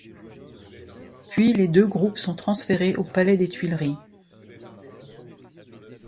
Puis les deux groupes sont transférés au palais des Tuileries.